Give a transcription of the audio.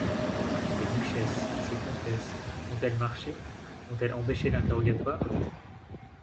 Ces duchesses, ces comtesses ont-elles marché, ont-elles empêché l’interrogatoire?...